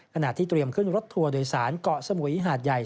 ขณะที่เตรียมขึ้นรถทัวร์โดยสารเกาะสมุยหาดใหญ่